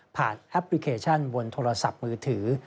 แอปพลิเคชันบนโทรศัพท์มือถือ